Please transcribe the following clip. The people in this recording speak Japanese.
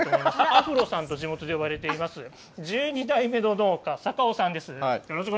アフロさんと地元で呼ばれています、１２代目の農家、坂尾さんです。